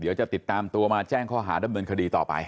เดี๋ยวจะติดตามตัวมาแจ้งข้อหาดำเนินคดีต่อไป